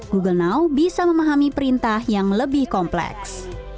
google now bisa memahami perintah yang lebih kompleks